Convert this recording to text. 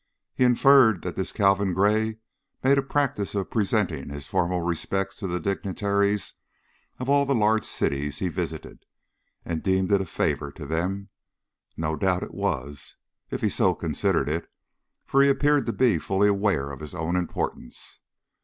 He inferred that this Calvin Gray made a practice of presenting his formal respects to the dignitaries of all the large cities he visited and deemed it a favor to them. No doubt it was, if he so considered it, for he appeared to be fully aware of his own importance.